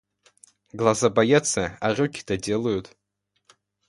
Глаза боятся, а руки-то делают!